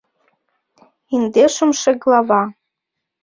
ИНДЕШЫМШЕ ГЛАВА